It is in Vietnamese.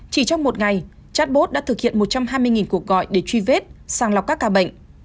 chỉ trong một ngày chatbot đã thực hiện một trăm hai mươi cuộc gọi để truy vết sàng lọc các ca bệnh